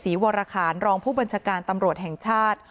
วรคารรองผู้บัญชาการตำรวจแห่งชาติ